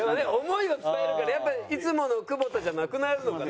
想いを伝えるからやっぱりいつもの久保田じゃなくなるのかな？